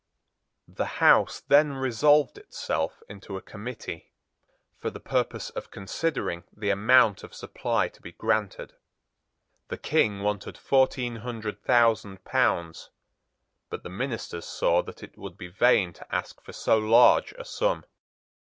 The House then resolved itself into a committee, for the purpose of considering the amount of supply to be granted. The King wanted fourteen hundred thousand pounds: but the ministers saw that it would be vain to ask for so large a sum.